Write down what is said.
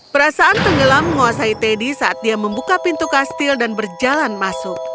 perasaan tenggelam menguasai teddy saat dia membuka pintu kastil dan berjalan masuk